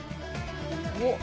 おっ。